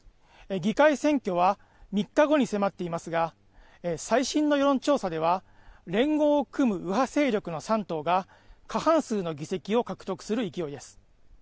議会選挙は３日後に迫っていますが、最新の世論調査では、連合を組む右派勢力の３党が、過半数の議席を獲得する勢いです。